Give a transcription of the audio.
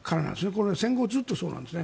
これは戦後ずっとそうです。